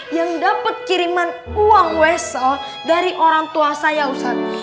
yang dapat kiriman uang weso dari orang tua saya ustadz